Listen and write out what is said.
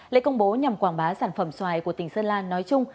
lễ công bố nhằm quảng bá sản phẩm xoài của tỉnh sơn la nói chung